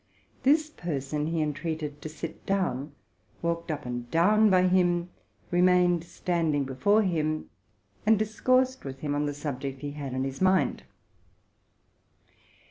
This person he entreated to sit down, walked up and down by him, remained standing before him, and discoursed with him on the subject he had in his mind.